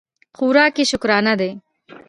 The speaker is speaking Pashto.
خوراک یې شکرانه ده.